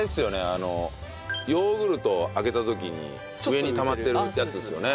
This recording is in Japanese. あのヨーグルトを開けた時に上にたまってるやつですよね。